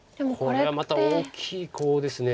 こりゃまた大きいコウです。